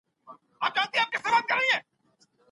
زده کوونکي په ډله ییز ډول کار کوي.